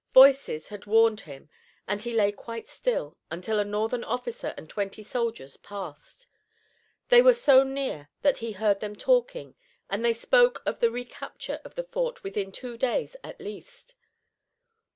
Voices had warned him and he lay quite still while a Northern officer and twenty soldiers passed. They were so near that he heard them talking and they spoke of the recapture of the fort within two days at least.